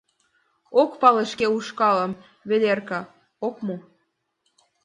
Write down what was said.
Ок пале шке ушкалжым Ведерка, ок му.